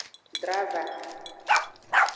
Drava.